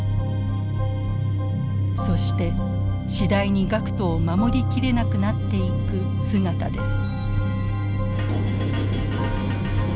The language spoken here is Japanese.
そして次第に学徒を守り切れなくなっていく姿です。